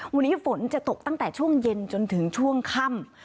วันนี้ฝนจะตกตั้งแต่ช่วงเย็นจนถึงช่วงค่ำ